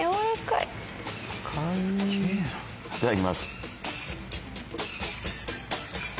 いただきます。